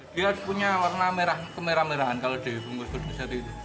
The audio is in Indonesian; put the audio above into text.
dia punya warna kemerah merahan kalau dibungkus godong jati